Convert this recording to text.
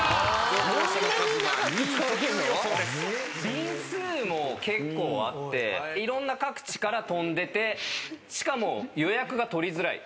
便数も結構あっていろんな各地から飛んでてしかも予約が取りづらい。